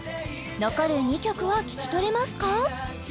残る２曲は聴きとれますか？